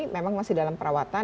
memang masih dalam perawatan